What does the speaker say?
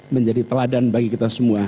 menjadi teladan bagi kita semua